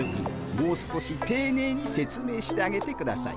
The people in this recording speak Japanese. もう少していねいに説明してあげてください。